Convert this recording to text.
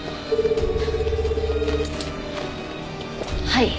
はい。